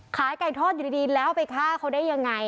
ขายไก่ทอดอยู่ดีแล้วไปฆ่าเขาได้ยังไง